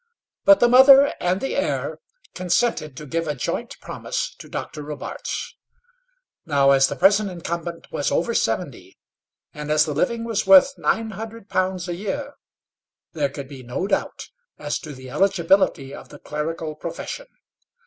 But the mother and the heir consented to give a joint promise to Dr. Robarts. Now, as the present incumbent was over seventy, and as the living was worth £900 a year, there could be no doubt as to the eligibility of the clerical profession.